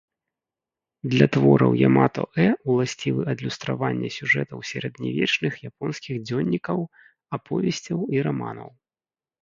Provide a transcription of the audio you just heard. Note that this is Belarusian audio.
Для твораў ямато-э уласцівы адлюстраванне сюжэтаў сярэднявечных японскіх дзённікаў, аповесцяў і раманаў.